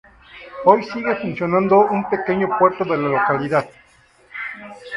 Hoy sigue funcionando un pequeño puerto de la localidad.